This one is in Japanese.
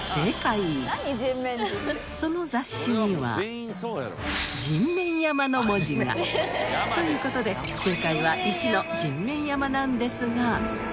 その雑誌には「人面山」の文字が。という事で正解は１の人面山なのですが。